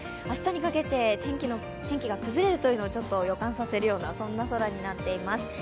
明日にかけて天気が崩れるというのを予感させるようなそんな空になっています。